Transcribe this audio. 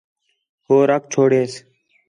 ہو رکھ چھوڑیس